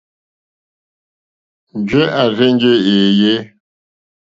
Njɛ̂ à rzênjé èèyé.